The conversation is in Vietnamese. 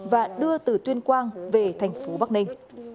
và đưa từ tuyên quang về thành phố bắc ninh